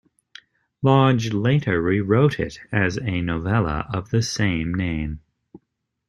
Lodge later rewrote it as a novella of the same name.